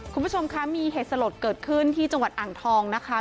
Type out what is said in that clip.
คุณผู้ชมคะมีเหตุสลดเกิดขึ้นที่จังหวัดอ่างทองนะคะ